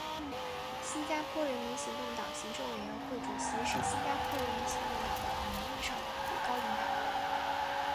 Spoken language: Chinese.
新加坡人民行动党行政委员会主席是新加坡人民行动党的名义上的最高领导人。